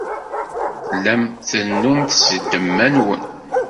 Tellam trennum-d seg ddemma-nwen.